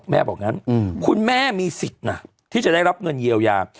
บอกงั้นคุณแม่มีสิทธิ์นะที่จะได้รับเงินเยียวยา